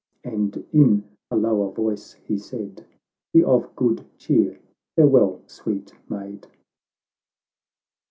And in a lower voice he said, " Be of good cheer— farewell, sweet maid